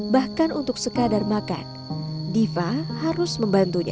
bahkan untuk sekadar makan diva harus membantunya